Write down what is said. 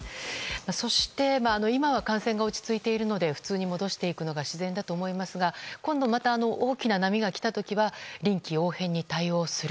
そして今は感染が落ち着いているので普通に戻していくのが普通だと思いますが今度大きな波が来たら臨機応変に対応する。